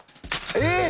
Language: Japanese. えっ？